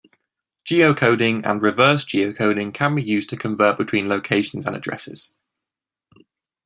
Geocoding and reverse geocoding can be used to convert between locations and addresses.